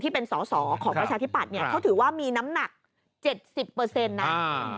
ที่เป็นสอของประชาธิปัตย์เขาถือว่ามีน้ำหนัก๗๐นะ